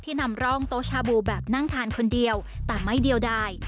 นำร่องโต๊ชาบูแบบนั่งทานคนเดียวแต่ไม่เดียวได้